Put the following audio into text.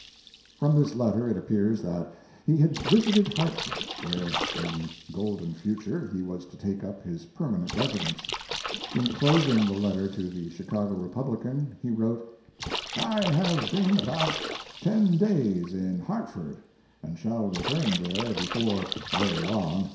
From this letter it appears that be had visited Hartford, where in the golden future, he was to take up his permanent residence. In closing the letter to the Chicago Republican he wrote: <( I have been about ten days in Hart ford, and shall return there before very long.